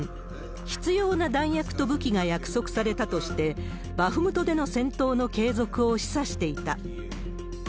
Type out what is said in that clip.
必要な弾薬と武器が約束されたとして、バフムトでの戦闘の継続を示唆していた。